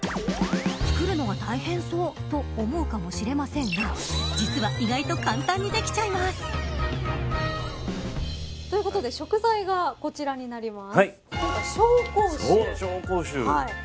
作るのが大変そうと思うかもしれませんが実は意外と簡単にできちゃいます。ということで食材がこちらになります。